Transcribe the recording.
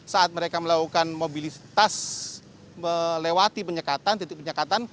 saat mereka melakukan mobilitas melewati penyekatan titik penyekatan